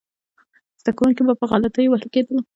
زده کوونکي به په غلطیو وهل کېدل.